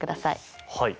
はい。